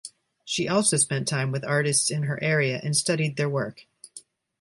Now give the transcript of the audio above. She also spent time with artists in her area and studied their work.